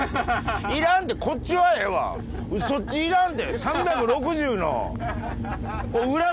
いらんてこっちはええわそっちいらんで。